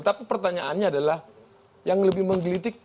tapi pertanyaannya adalah yang lebih menggelitik